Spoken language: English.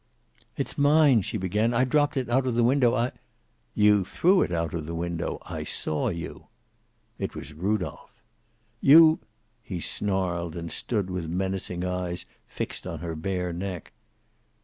"It's mine," she began. "I dropped it out of the window. I " "You threw it out of the window. I saw you." It was Rudolph. "You " He snarled, and stood with menacing eyes fixed on her bare neck.